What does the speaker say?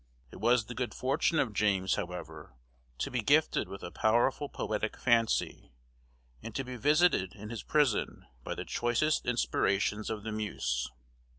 It was the good fortune of James, however, to be gifted with a powerful poetic fancy, and to be visited in his prison by the choicest inspirations of the muse.